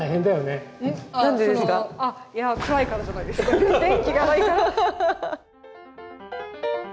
それが電気がないから。